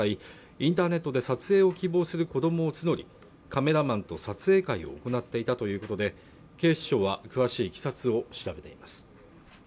インターネットで撮影を希望する子どもを募りカメラマンと撮影会を行っていたということで警視庁は詳しいいきさつを調べています